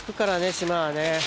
島はね。